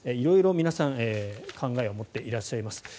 色々皆さん考えを持っていらっしゃいます。